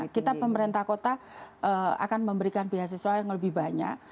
kita pemerintah kota akan memberikan beasiswa yang lebih banyak